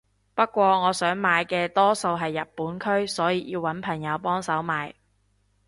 不過我想買嘅多數係日本區所以要搵朋友幫手買